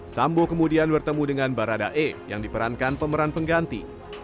sambo kemudian bertemu dengan barada e yang diperankan pemeran pengganti